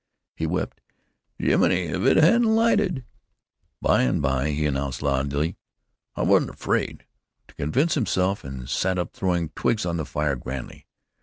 He wept, "Jiminy, if it hadn't lighted!..." By and by he announced, loudly, "I wasn't afraid," to convince himself, and sat up, throwing twigs on the fire grandly.